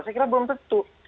saya kira belum tentu